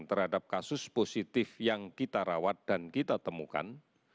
terhadap kasus positif yang kita rawat dan kita temukan